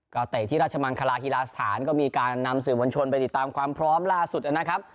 ก็เตะที่ราชมังคลาฮีลาสถานก็มีการนำสื่อมวลชนไปติดตามความพร้อมล่าสุดนะครับ